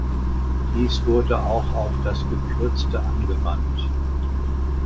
Dies wurde auch auf das gekürzte angewandt.